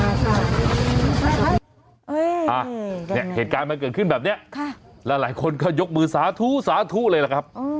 เหตุการณ์มันเกิดขึ้นแบบนี้หลายคนก็ยกมือสาธุสาธุเลยล่ะครับ